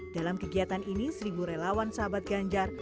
dalam kegiatan ini seribu relawan sahabat ganjar